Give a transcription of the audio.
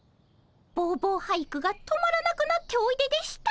ぼうぼう俳句が止まらなくなっておいででした。